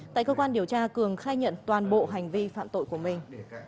tại cơ quan điều tra cường khai nhận toàn bộ hành vi phạm tội của mình